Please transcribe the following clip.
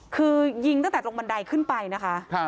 คือยิงตั้งแต่ตรงบันไดขึ้นไปนะคะ